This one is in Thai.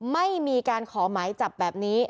ไม่มีการขอหมายจับแบบนี้